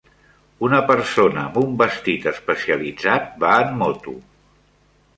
Una persona amb un vestit especialitzat va en moto.